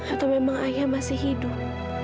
atau memang ayah masih hidup